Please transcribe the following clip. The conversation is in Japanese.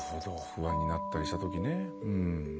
不安になったりしたときね。